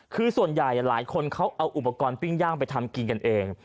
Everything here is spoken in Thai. คือส่วนใหญ่หลายคนเขาเอาอุปกรณ์ปิ้งย่างไปทำกินกันเอง